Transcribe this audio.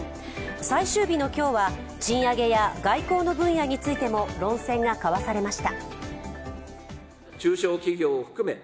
最終日の今日は、賃上げや外交の分野についても論戦が交わされました。